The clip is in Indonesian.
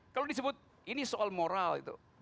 kalau disebut ini soal moral